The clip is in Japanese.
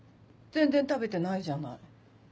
全然食べてないじゃない。